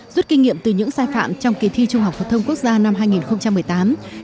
rút kinh nghiệm từ những sai phạm trong kỳ thi trung học phổ thông quốc gia năm hai nghìn một mươi tám